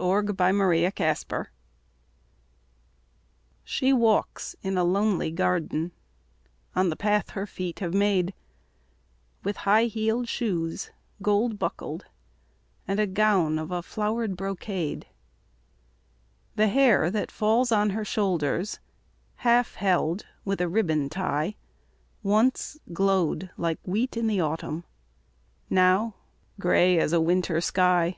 THE OLD MAID She walks in a lonely garden On the path her feet have made, With high heeled shoes, gold buckled, And gown of a flowered brocade; The hair that falls on her shoulders, Half held with a ribbon tie, Once glowed like the wheat in autumn, Now grey as a winter sky.